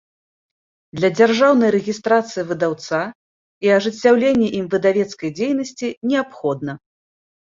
Для дзяржаўнай рэгiстрацыi выдаўца i ажыццяўлення iм выдавецкай дзейнасцi неабходна.